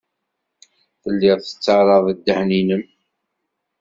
Tellid tettarrad ddehn-nnem.